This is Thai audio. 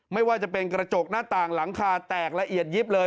ไม่ว่าจะเป็นกระจกหน้าต่างหลังคาแตกละเอียดยิบเลย